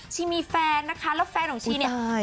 ชีมีแฟนนะคะแล้วแฟนของชีเนี่ย